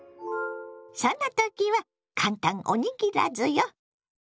そんな時は簡単おにぎらずよ！